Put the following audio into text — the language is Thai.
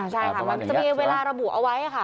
ใช่ค่ะมันจะมีเวลาระบุเอาไว้ค่ะ